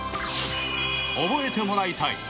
覚えてもらいたい！